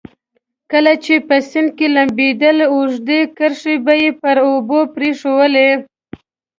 کله چې په سیند کې لمبېدل اوږدې کرښې به یې پر اوبو پرېښوولې.